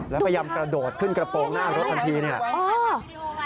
แล้วพยายามกระโดดขึ้นกระโปรงหน้ารถทันทีเนี่ย